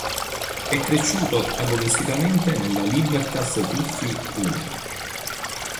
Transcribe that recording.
È cresciuto agonisticamenente nella Libertas Tuffi Cuneo.